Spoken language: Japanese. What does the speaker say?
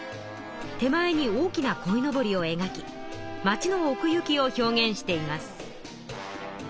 手前に大きなこいのぼりを描き町のおく行きを表現しています。